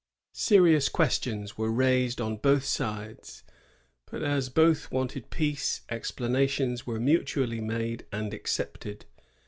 Serious questions were raised on both sides; but as both wanted peace, explanations were mutually made and accepted.